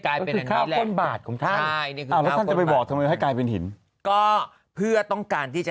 กลายเป็นต้นบาทของท่านจะไปบอกทำไมให้กลายเป็นหินก็เพื่อต้องการที่จะ